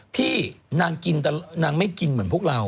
พี่นางกินแต่นางไม่กินเหมือนพวกเรา